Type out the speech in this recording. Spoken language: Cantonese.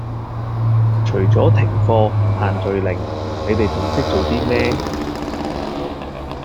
除左停課限聚令你地仲識做 D 咩